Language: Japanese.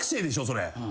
それ。